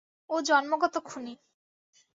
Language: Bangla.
ও জন্মগত খুনি।